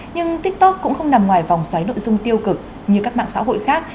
nhưng tiktok cũng không nằm ngoài vòng xoáy nội dung tiêu cực như các mạng xã hội khác